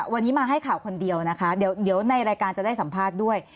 วันนี้มาให้ข่าวคนเดียวนะคะเดี๋ยวในรายการจะได้สัมภาษณ์ด้วย